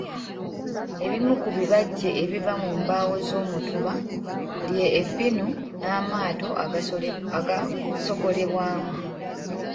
Ebimu ku bibajje ebiva mu mbaawo z'omutuba lye ebinu n'amaato agasogolebwamu.